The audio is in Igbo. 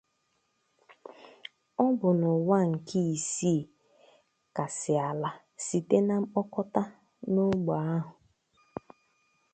Ọ bụ n'ụwa nke isii-kasị ala site mkpokọta n'ógbè ahụ.